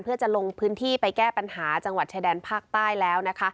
เพื่อจะลงพื้นที่ไปแก้ปัญหาจังหวัดชายแดนภาคใต้แล้วนะคะ